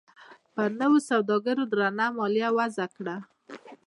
پر نویو سوداګرو درنه مالیه وضعه کړه.